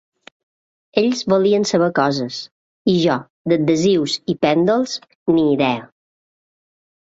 Ells volien saber coses, i jo d’adhesius i pèndols, ni idea.